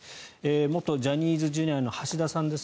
元ジャニーズＪｒ．の橋田さんです。